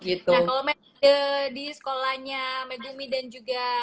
nah kalau di sekolahnya megumi dan juga